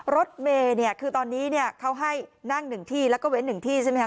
รถเมย์เนี่ยคือตอนนี้เนี่ยเขาให้นั่งหนึ่งที่แล้วก็เว้นหนึ่งที่ใช่ไหมคะ